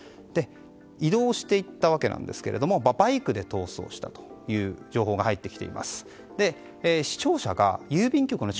移動していったわけですがバイクで逃走したという情報が入ってきています。